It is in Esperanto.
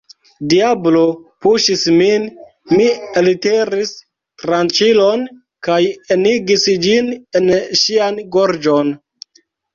Diablo puŝis min, mi eltiris tranĉilon kaj enigis ĝin en ŝian gorĝon.